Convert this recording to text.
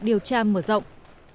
điều tra mở rộng